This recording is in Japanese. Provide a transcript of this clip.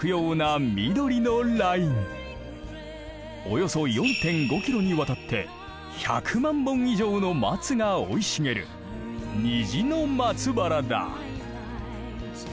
およそ４．５キロにわたって１００万本以上の松が生い茂る「虹の松原」だ。